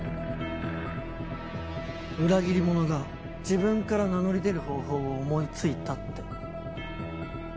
裏切り者が自分から名乗り出る方法を思いついたって。